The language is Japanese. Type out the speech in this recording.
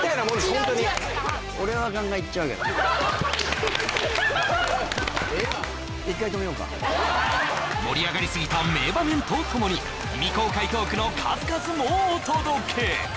ホントに盛り上がりすぎた名場面とともに未公開トークの数々もお届け